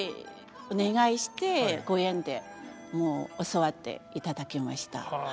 お願いしてご縁でもう教わっていただきました。